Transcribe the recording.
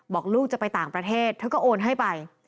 บอกลูกจะไปต่างประเทศเธอก็โอนให้ไป